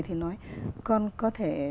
thì nói con có thể